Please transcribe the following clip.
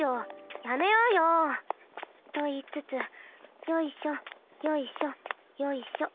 やめようよ。といいつつよいしょよいしょよいしょ。